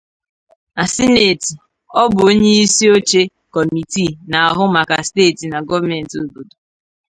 Na Sịnetị, ọ bụ onye isi oche Kọmitii n'ahụ maka Steeti na Gọọmentị Obodo.